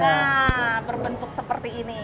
nah berbentuk seperti ini